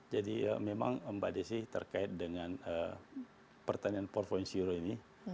memang mbak desi terkait dengan pertanian empat ini